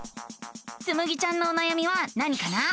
つむぎちゃんのおなやみは何かな？